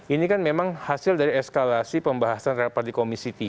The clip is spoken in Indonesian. ini kan memang hasil dari eskalasi pembahasan rapat di komisi tiga